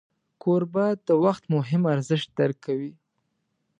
کوربه د وخت مهم ارزښت درک کوي.